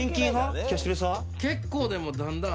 結構でもだんだん。